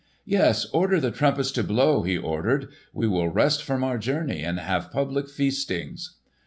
"Yes, order the trumpets to blow!" he ordered. "We will rest from our journey and have public feastings."